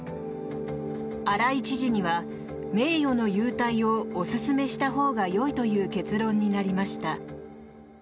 荒井知事には名誉の勇退をおすすめしたほうがよいという結論になりました。